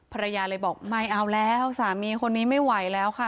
ภรรยาเลยบอกไม่เอาแล้วสามีคนนี้ไม่ไหวแล้วค่ะ